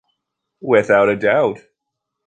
Without a doubt.